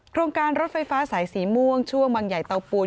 โครงการรถไฟฟ้าสายสีม่วงช่วงวังใหญ่เตาปูน